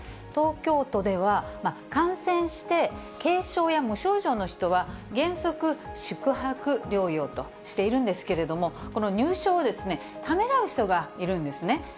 東京都では、感染して軽症や無症状の人は、原則、宿泊療養としているんですけれども、この入所をためらう人がいるんですね。